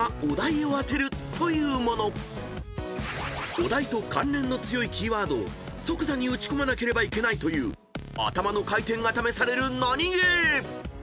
［お題と関連の強いキーワードを即座に打ち込まなければいけないという頭の回転が試されるナニゲー］